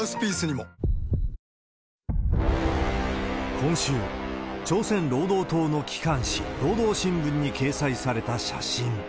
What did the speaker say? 今週、朝鮮労働党の機関紙、労働新聞に掲載された写真。